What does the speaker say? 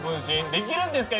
できるんですか